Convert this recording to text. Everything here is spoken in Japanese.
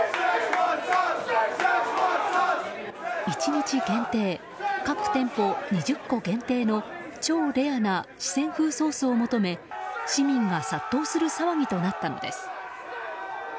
１日限定、各店舗２０個限定の超レアな四川風ソースを求め市民が殺到する騒ぎとなったのです。